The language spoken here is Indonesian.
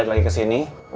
saya lagi kesini